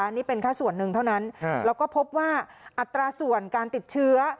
นี่เป็นแค่ส่วนหนึ่งเท่านั้นแล้วก็พบว่าอัตราส่วนการติดเชื้อ